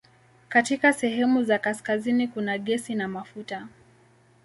Katika sehemu za kaskazini kuna gesi na mafuta.